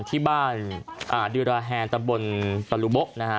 ที่บ้านดิราแฮนตะบลปรุบ๊ะ